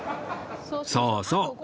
そうそう